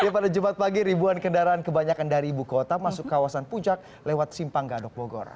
pada jumat pagi ribuan kendaraan kebanyakan dari ibu kota masuk kawasan puncak lewat simpang gadok bogor